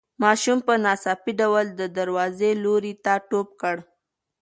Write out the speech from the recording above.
ماشوم په ناڅاپي ډول د دروازې لوري ته ټوپ کړ.